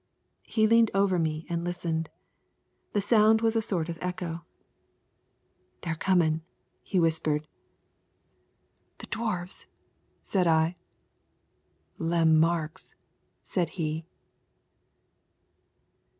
He leaned over me and listened. The sound was a sort of echo. "They're comin'," he whispered. "The Dwarfs?" said I. "Lem Marks," said he.